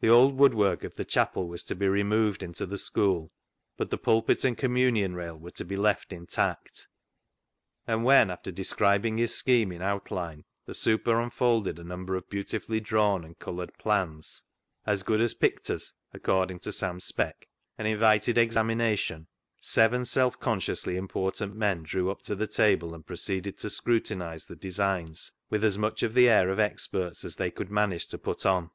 The old woodwork of the chapel was to be removed into the school, but the pulpit and communion rail were to be left intact ; and when, after describing his scheme in outline, the *' super " unfolded a number of beautifully drawn and coloured plans (" as good as picters," according to Sam Speck), and '«THE ZEAL OF THINE HOUSE" 315 invited examination, seven self consciously important men drew up to the table and proceeded to scrutinise the designs with as much of the air of experts as they could manage to put on.